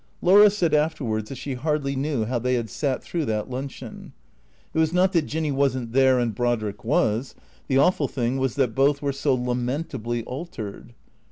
Laura said afterwards that she hardly knew how they had sat through that luncheon. It was not that Jinny was n't there and Brodrick was. The awful thing was that both were so lament ably altered.